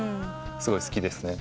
すごい好きですね。